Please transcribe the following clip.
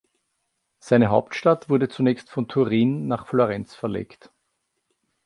Seine Hauptstadt wurde zunächst von Turin nach Florenz verlegt.